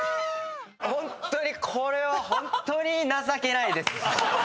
ホントにこれはホントに情けないです。